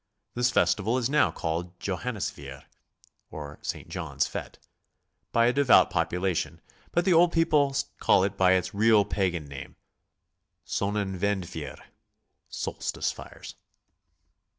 This festival is now called Johan nisfeier, or St. John's fete, by a devout population, but the old people call it by its real pagan name, Sonnenwendfeuer, solstice fires.